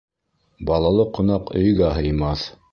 Балалы ҡунаҡ өйгә һыймаҫ.